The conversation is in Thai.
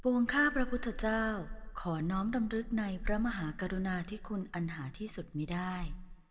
วงข้าพระพุทธเจ้าขอน้อมดำรึกในพระมหากรุณาที่คุณอันหาที่สุดมีได้